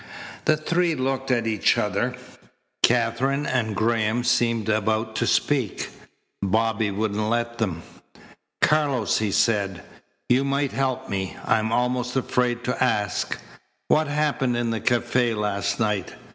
The three looked at each other. Katherine and Graham seemed about to speak. Bobby wouldn't let them. "Carlos," he said, "you might help me. I'm almost afraid to ask. What happened in the cafe last night?